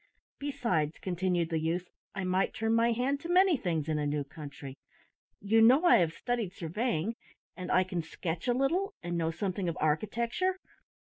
"Besides," continued the youth, "I might turn my hand to many things in a new country. You know I have studied surveying, and I can sketch a little, and know something of architecture.